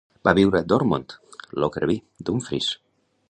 Va viure a Dormont, Lockerbie, Dumfries.